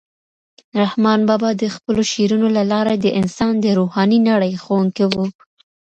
رحمان بابا د خپلو شعرونو له لارې د انسان د روحاني نړۍ ښوونکی و.